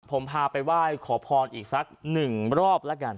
ผมพาไปไหว้ขอพรอีกสักหนึ่งรอบแล้วกัน